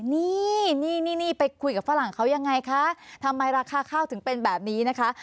นี่นี่ไปคุยกับฝรั่งเขายังไงคะทำไมราคาข้าวถึงเป็นแบบนี้นะคะ